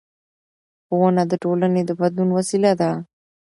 ښوونه د ټولنې د بدلون وسیله ده